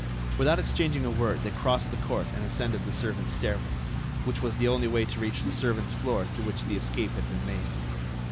Without exchanging a word they crossed the court and ascended the servants' stairway, which was the only way to reach the servants' floor through which the escape had been made.